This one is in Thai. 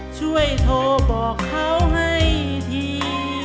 ช่วยโทรบอกเขาให้ที